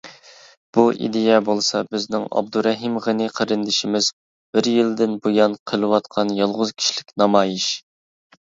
بۇ ئىدىيە بولسا بىزنىڭ ئابدۇرەھىم غېنى قېرىندىشىمىز بىر يىلدىن بۇيان قىلىۋاتقان يالغۇز كىشىلىك نامايىش .